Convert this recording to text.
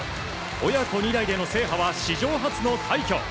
親子２代での制覇は史上初の快挙。